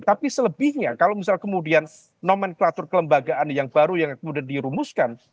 tapi selebihnya kalau misal kemudian nomenklatur kelembagaan yang baru yang kemudian dirumuskan